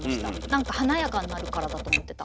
なんか華やかになるからだと思ってた。